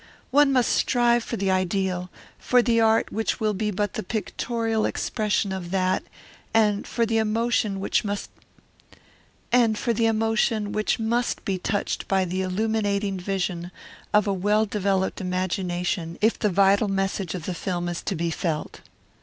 One must strive for the ideal, for the art which will be but the pictorial expression of that, and for the emotion which must be touched by the illuminating vision of a well developed imagination if the vital message of the film is to be felt.